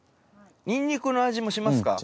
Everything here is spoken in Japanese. ニンニクの味もしますか？